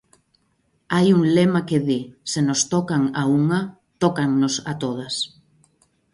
Hai un lema que di: 'Se nos tocan a unha, tócannos a todas'.